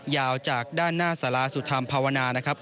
ยาวจากด้านหน้าสลาสุธรรมภาวนา